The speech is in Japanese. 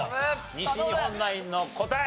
西日本ナインの答え